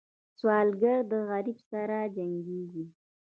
سوالګر د غربت سره جنګېږي